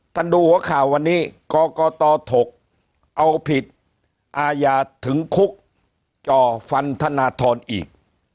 ดูหัวข่าววันนี้กรกตถกเอาผิดอาญาถึงคุกจ่อฟันธนทรอีก